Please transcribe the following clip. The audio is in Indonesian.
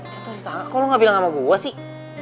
jatuh dari tangga kok lo gak bilang sama gue sih